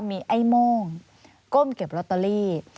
มีไอ้โม่งก้มเก็บลอตเตอรี่